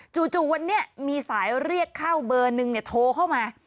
จู่วันนี้มีสายเรียกเข้าเบอร์หนึ่งโทรเข้ามา